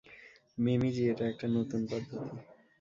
মিমি জি, এটা একটা নতুন পদ্ধতি।